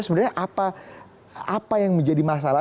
sebenarnya apa yang menjadi masalah